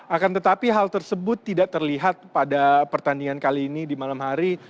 akan tetapi hal tersebut tidak terlihat pada pertandingan kali ini di malam hari